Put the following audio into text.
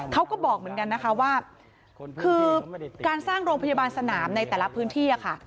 เขาก็บอกเหมือนกันนะคะว่าคือการสร้างโรงพยาบาลสนามในแต่ละพื้นที่ค่ะ